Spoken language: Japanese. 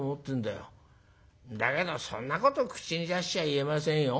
だけどそんなこと口に出しちゃ言えませんよ。